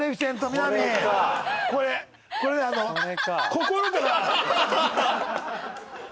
心から。